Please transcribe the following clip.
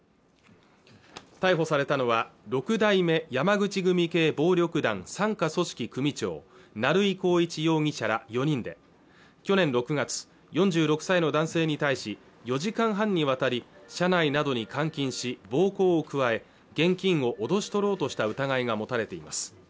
逮捕されたのは六代目山口組系暴力団傘下組織組長成井宏一容疑者ら４人で去年６月、４６歳の男性に対し４時間半にわたり車内などに監禁し暴行を加え現金を脅し取ろうとした疑いが持たれています